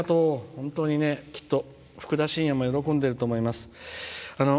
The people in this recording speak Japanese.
本当に、きっとふくだしんやも喜んでると思います。